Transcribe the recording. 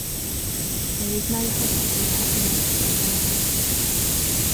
There is no hospital at the next stopover.